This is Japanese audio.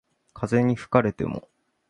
風に吹かれても